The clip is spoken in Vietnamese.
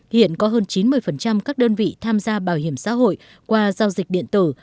hiện có hơn chín mươi các đơn vị tham gia bảo hiểm xã hội qua giao dịch điện tử